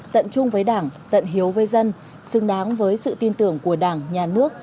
tận chung với đảng tận hiếu với dân xứng đáng với sự tin tưởng của đảng nhà nước